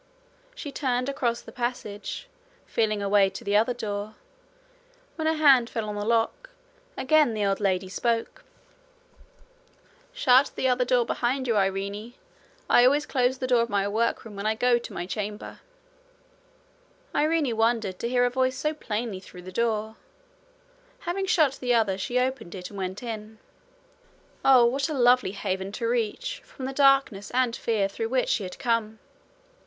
She turned across the passage, feeling her way to the other door. When her hand fell on the lock, again the old lady spoke: 'Shut the other door behind you, Irene. I always close the door of my workroom when I go to my chamber.' Irene wondered to hear her voice so plainly through the door: having shut the other, she opened it and went in. Oh, what a lovely haven to reach from the darkness and fear through which she had come!